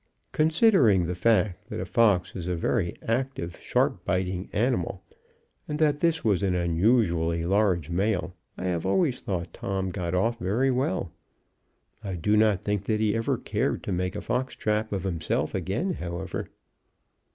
Considering the fact that a fox is a very active, sharp biting animal, and that this was an unusually large male, I have always thought Tom got off very well. I do not think that he ever cared to make a fox trap of himself again, however.